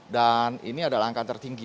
dan ini adalah angka tertinggi